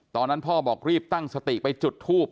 ตอนนั้นพ่อบอกรีบตั้งสติไปจุดทูบ